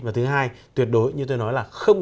và thứ hai tuyệt đối như tôi nói là không